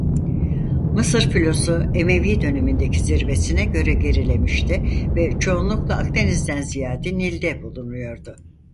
Mısır filosu Emevi dönemindeki zirvesine göre gerilemişti ve çoğunlukla Akdeniz'den ziyade Nil'de bulunuyordu.